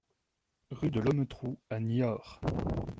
Rue de l'Hometrou à Niort